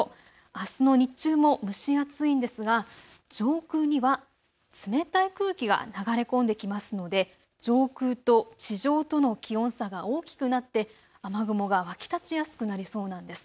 あすの日中も蒸し暑いんですが、上空には冷たい空気が流れ込んできますので上空と地上との気温差が大きくなって雨雲が湧き立ちやすくなりそうなんです。